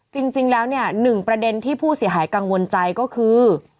จริงแล้วเนี่ยหนึ่งประเด็นที่ผู้เสียหายกังวลใจก็คือ